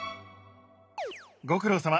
ご苦労さま。